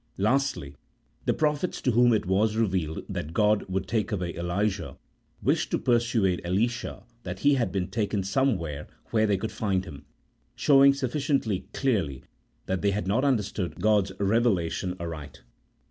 Lastly, the prophets, to whom it was revealed that God would take away Elijah, wished to persuade Elisha that he had been taken somewhere where they would find him; showing sufficiently clearly that they had not understood God's revelation aright.